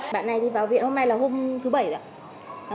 bạn này thì vào viện hôm nay là hôm thứ bảy ạ